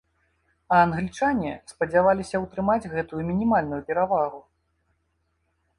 А англічане спадзяваліся ўтрымаць гэтую мінімальную перавагу.